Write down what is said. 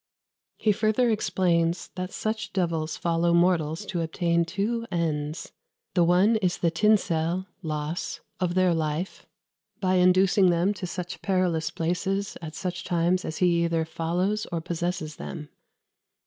" He further explains that such devils follow mortals to obtain two ends: "the one is the tinsell (loss) of their life by inducing them to such perrilous places at such times as he either follows or possesses them.